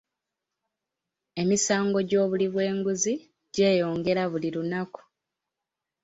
Emisango gy'obuli bw'enguzi gyeyongera buli lunaku.